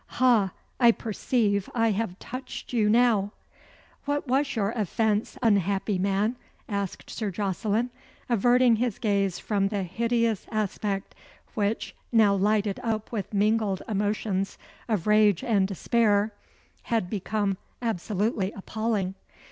Ha! I perceive I have touched you now." "What was your offence, unhappy man?" asked Sir Jocelyn, averting his gaze from the hideous aspect which, now lighted up with mingled emotions of rage and despair, had become absolutely appalling.